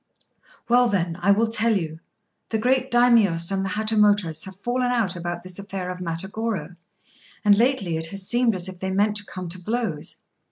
"Well, then, I will tell you. The great Daimios and the Hatamotos have fallen out about this affair of Matagorô, and lately it has seemed as if they meant to come to blows.